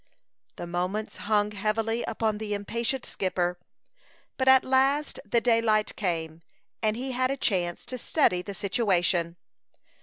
The moments hung heavily upon the impatient skipper; but at last the daylight came, and he had a chance to study the situation.